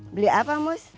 beli apa mus